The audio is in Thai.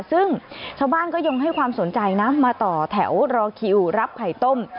ซึ่งชาวบ้านก็ยงให้ความสนใจนะมาต่อแถวรอคิวรับไข่ต้ม